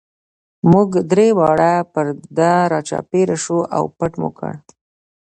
موږ درې واړه پر ده را چاپېر شو او پټ مو کړ.